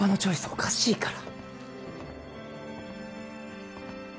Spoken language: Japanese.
おかしいから！